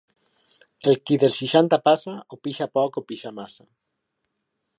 El qui dels seixanta passa, o pixa poc o pixa massa.